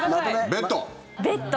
ベッド？